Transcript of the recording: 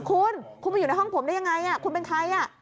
คุณคุณมาอยู่ในห้องผมได้ยังไงคุณเป็นใคร